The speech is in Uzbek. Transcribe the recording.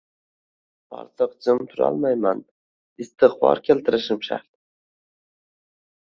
Ortiq jim turolmayman, istig`for keltirishim shart